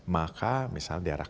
maka misalnya daerah